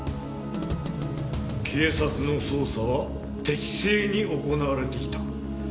警察の捜査は適正に行われていた。